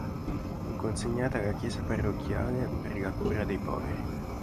Fu consegnata alla chiesa parrocchiale per la cura dei poveri.